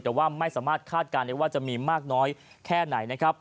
แต่ว่าไม่สามารถคาดการณ์ได้ว่าจะมีมากน้อยแค่ไหนนะครับ